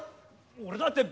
俺だって！